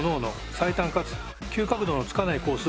最短かつ急角度のつかないコース